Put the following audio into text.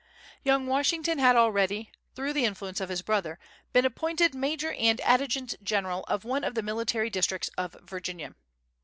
Young Washington had already, through the influence of his brother, been appointed major and adjutant general of one of the military districts of Virginia.